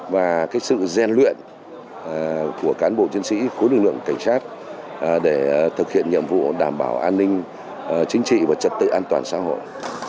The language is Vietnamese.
và sự gian luyện của cán bộ chiến sĩ khối lực lượng cảnh sát để thực hiện nhiệm vụ đảm bảo an ninh chính trị và trật tự an toàn xã hội